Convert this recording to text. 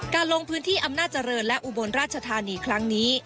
ลงพื้นที่อำนาจเจริญและอุบลราชธานีครั้งนี้